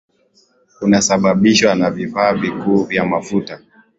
kunasababishwa na vifaa vikuu vya mafuta